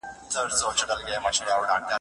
بې ګټي ارمانونه نه ساتل کېږي.